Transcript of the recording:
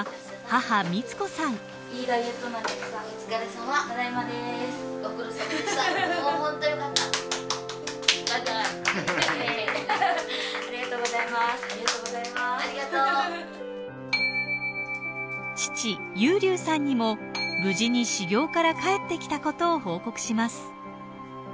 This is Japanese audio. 父裕さんにも無事に修行から帰ってきたことを報告します。